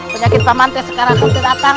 penyakit paman teh sekarang kembali datang